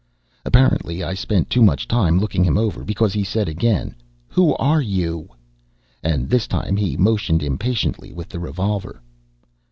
Apparently, I spent too much time looking him over, because he said again, "Who are you?" And this time he motioned impatiently with the revolver.